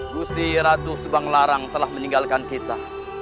gusi ratu subanglarang telah meninggalkan kita